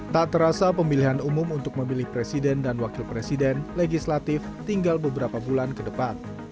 tak terasa pemilihan umum untuk memilih presiden dan wakil presiden legislatif tinggal beberapa bulan ke depan